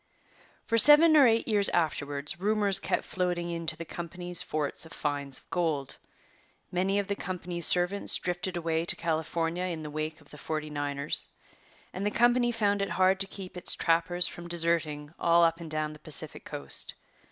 For seven or eight years afterwards rumours kept floating in to the company's forts of finds of gold. Many of the company's servants drifted away to California in the wake of the 'Forty Niners,' and the company found it hard to keep its trappers from deserting all up and down the Pacific Coast.